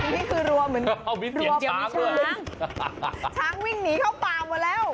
นี่คือรัวเหมือนเดี๋ยวมีช้างด้วยช้างวิ่งหนีเข้าป่าวมาแล้ว